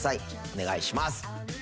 お願いします。